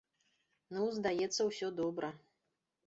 Ну, здаецца, усё добра.